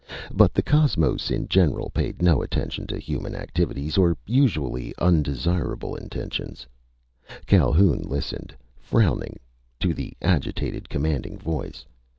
But the cosmos in general paid no attention to human activities or usually undesirable intentions. Calhoun listened, frowning, to the agitated, commanding voice.